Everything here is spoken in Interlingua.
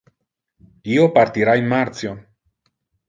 Io partira in martio.